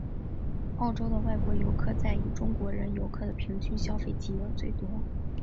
澳洲的外国游客在以中国人游客的平均消费金额最多。